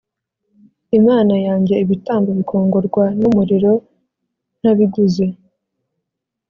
Imana yanjye ibitambo bikongorwa n umuriro ntabiguze